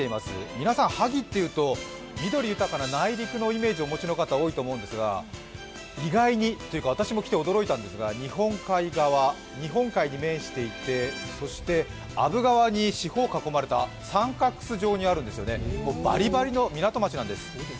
皆さん、萩というと緑豊かな内陸のイメージをお持ちの方、多いと思うんですが意外にというか、私も来て驚いたんですが、日本海に面していて、そして阿武川に四方囲まれた、三角州状にあるんですよねバリバリの港町なんですよね。